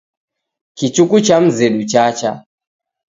Kichuku cha mzedu chacha.